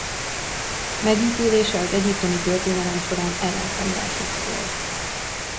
Megítélése az egyiptomi történelem során ellentmondásos volt.